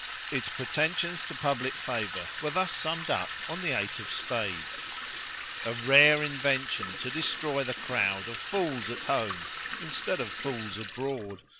Its pretensions to public favour were thus summed up on the eight of spades: "A rare invention to destroy the crowd Of fools at home instead of fools abroad.